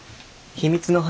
秘密の話。